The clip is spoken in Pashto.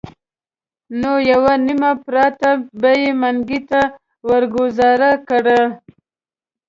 نو یوه نیمه پراټه به یې منګي ته ورګوزاره کړه.